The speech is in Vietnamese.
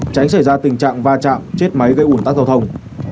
tránh xảy ra tình trạng va chạm chết máy gây ủn tắc giao thông